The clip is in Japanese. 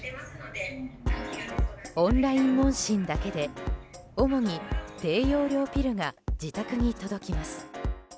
オンライン問診だけで主に低用量ピルが自宅に届きます。